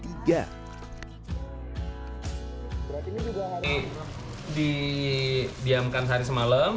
ini didiamkan sehari semalam